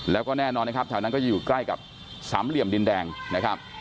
แล้วก็แน่นอนนะครับแถวนั้นก็จะอยู่ใกล้กับสามเหลี่ยมดินแดงนะครับ